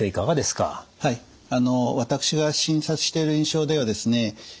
はい私が診察している印象ではですね